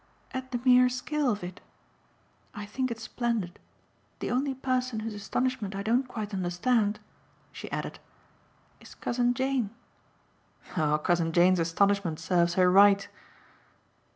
"At the mere scale of it. I think it's splendid. The only person whose astonishment I don't quite understand," she added, "is Cousin Jane." "Oh Cousin Jane's astonishment serves her right!"